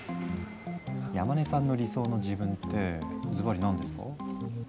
山根さんの理想の自分ってズバリ何ですか？